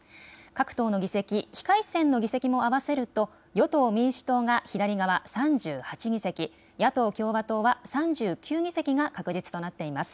各党の議席、非改選の議席も合わせると与党・民主党が左側、３８議席、野党・共和党は３９議席が確実となっています。